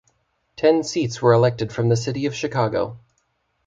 Ten seats were elected from the City of Chicago.